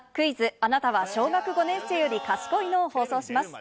あなたは小学５年生より賢いの？を放送します。